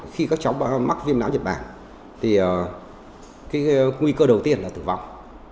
khi các cháu mắc viêm não nhật bản thì nguy cơ đầu tiên là tử vong